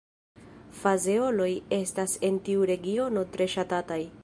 Fazeoloj estas en tiu regiono tre ŝatataj.